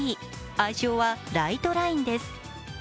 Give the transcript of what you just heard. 愛称はライトラインです。